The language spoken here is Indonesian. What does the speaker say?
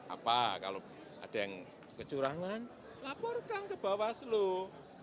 apa kalau ada yang kecurangan laporkan ke bawah seluruh